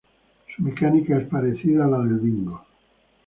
Su mecánica es parecida a la del bingo.